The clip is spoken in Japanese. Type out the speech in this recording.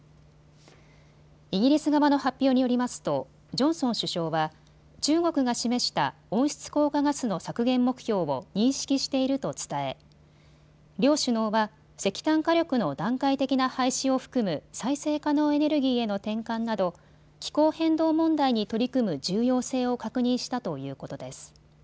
イギリス側の発表によりますとジョンソン首相は中国が示した温室効果ガスの削減目標を認識していると伝え、両首脳は、石炭火力の段階的な廃止を含む再生可能エネルギーへの転換など気候変動問題に取り組む重要性を確認したということです。